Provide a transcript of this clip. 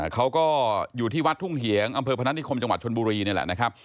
เขาก็อยู่ที่วัดทุ่งเหียงอำเภอพนัฐนิคมจังหวัดชนบุรีนี่แหละนะครับ